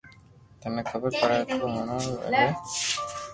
ٿني خبر پڙي ھي تو ھڻَو وي لي